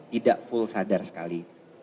tidak full sadar sekali